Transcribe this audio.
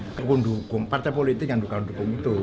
tidak mendukung partai politik yang bukan mendukung itu